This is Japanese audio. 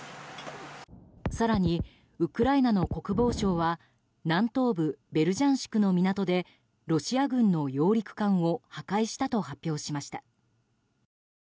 更にウクライナの国防省は南東部ベルジャンシクの港でロシア軍の揚陸艦を破壊したと発表しました。